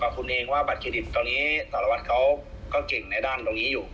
สวัสดีครับ